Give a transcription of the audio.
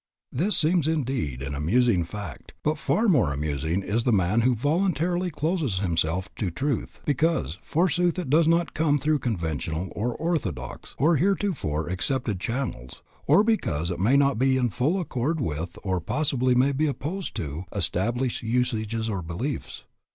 This seems indeed an amusing fact; but far more amusing is the man who voluntarily closes himself to truth because, forsooth, it does not come through conventional, or orthodox, or heretofore accepted channels; or because it may not be in full accord with, or possibly may be opposed to, established usages or beliefs.